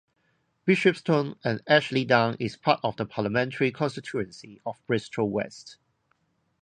Bishopston and Ashley Down is part of the parliamentary constituency of Bristol West.